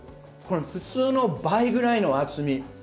普通の倍ぐらいの厚み。